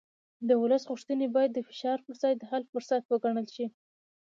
د ولس غوښتنې باید د فشار پر ځای د حل فرصت وګڼل شي